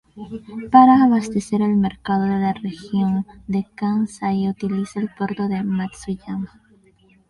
Para abastecer el mercado de la Región de Kansai utiliza el Puerto de Matsuyama.